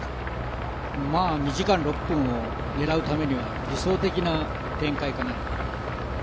２時間６分を狙うためには理想的な展開かなと。